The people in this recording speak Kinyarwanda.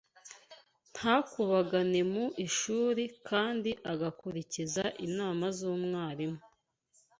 ntakubagane mu ishuri kandi agakurikiza inama z’umwarimu